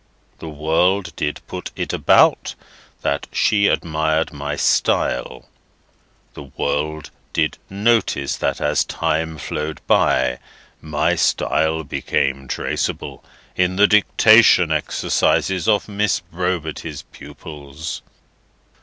The world did put it about, that she admired my style. The world did notice that as time flowed by, my style became traceable in the dictation exercises of Miss Brobity's pupils.